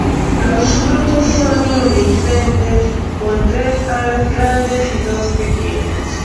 Los frutos son indehiscentes, con tres alas grandes y dos pequeñas.